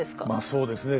そうですね。